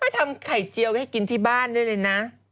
ทำไข่เจียวให้กินที่บ้านได้เลยนะ